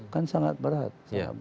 kan sangat berat